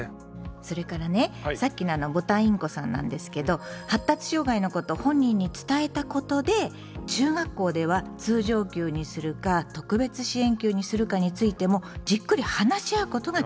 それからねさっきのボタンインコさんなんですけど発達障害のことを本人に伝えたことで中学校では通常級にするか特別支援級にするかについてもじっくり話し合うことができたんですって。